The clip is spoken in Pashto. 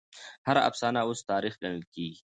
هر افسانه اوس تاريخ ګڼل کېږي.